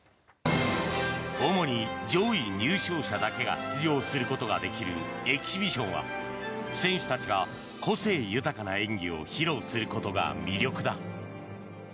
主に上位入賞者だけが出場することができるエキシビションは選手たちが個性豊かな演技を披露することが魅力だ。